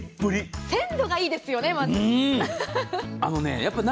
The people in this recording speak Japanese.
鮮度がいいですよね、やっぱり。